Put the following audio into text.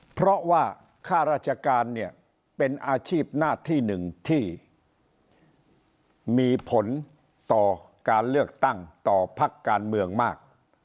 เพราะว่าค่าราชการเนี่ยเป็นอาชีพหน้าที่หนึ่งที่มีผลต่อการเลือกตั้งต่อพักการเมืองมาก